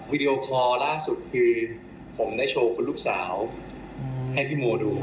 วิดีโอคอร์ล่าสุดคือผมได้โชว์คุณลูกสาวให้พี่โมดู